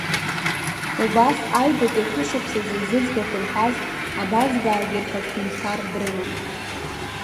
Убас аҩбатәи ашәышықәсазы зыӡбахә рҳәаз абазгаагьы рхатә ҳәынҭқар дрыман.